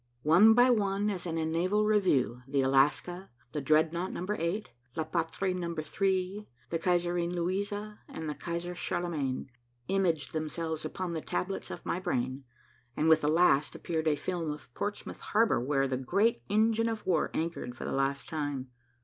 One by one, as in a naval review, the Alaska, the Dreadnought Number 8, La Patrie Number 3, the Kaiserin Luisa and the Kaiser Charlemagne imaged themselves upon the tablets of my brain, and with the last appeared a film of Portsmouth Harbor where the great engine of war anchored for the last time.